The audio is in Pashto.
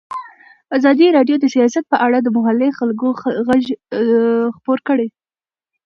ازادي راډیو د سیاست په اړه د محلي خلکو غږ خپور کړی.